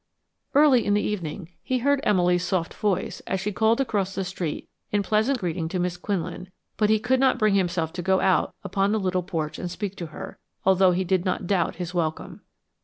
Early in the evening he heard Emily's soft voice as she called across the street in pleasant greeting to Miss Quinlan, but he could not bring himself to go out upon the little porch and speak to her, although he did not doubt his welcome.